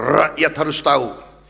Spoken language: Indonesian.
rakyat harus tau